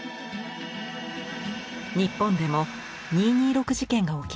日本でも二・二六事件が起きました。